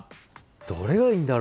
どれがいいんだろう？